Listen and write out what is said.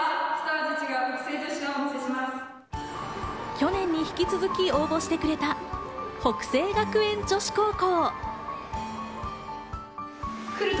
去年に引き続き応募してくれた北星学園女子高校。